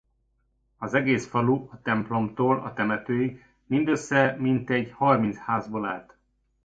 Az egész falu a templomtól a temetőig mindössze mintegy harminc házból állt.